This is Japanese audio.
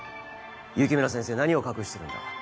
雪村先生何を隠してるんだ？